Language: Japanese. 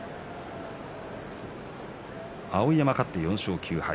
碧山、勝って４勝９敗。